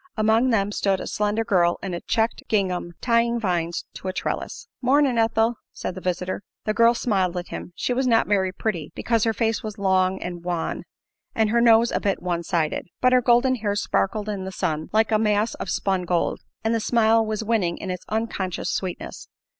Among them stood a slender girl in a checked gingham, tying vines to a trellis. "Morn'n', Ethel," said the visitor. The girl smiled at him. She was not very pretty, because her face was long and wan, and her nose a bit one sided. But her golden hair sparkled in the sun like a mass of spun gold, and the smile was winning in its unconscious sweetness.